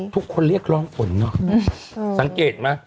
ทุกคนเรียกร้องฝนเนอะสังเกตไหม